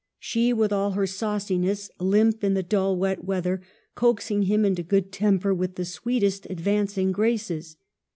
She, with all her sauciness, limp in the dull, wet weather, coaxing him into good temper with the sweetest advancing graces.